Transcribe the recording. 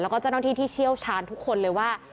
แล้วก็เจ้าหน้าที่ที่เชี่ยวชาญทุกคนเลยว่า